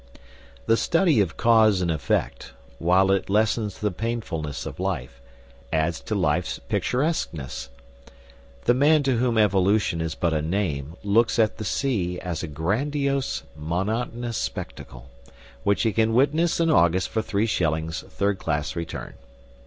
The study of cause and effect, while it lessens the painfulness of life, adds to life's picturesqueness. The man to whom evolution is but a name looks at the sea as a grandiose, monotonous spectacle, which he can witness in August for three shillings third class return.